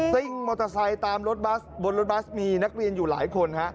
ซิ่งมอเตอร์ไซค์ตามรถบัสบนรถบัสมีนักเรียนอยู่หลายคนฮะ